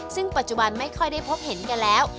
ซึ่งปัจจุบันไม่ค่อยได้พบเห็นกันแล้ว